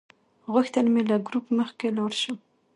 غوښتل مې له ګروپ مخکې لاړ شم.